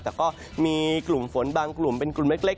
แต่ก็มีกลุ่มฝนบางกลุ่มเป็นกลุ่มเล็ก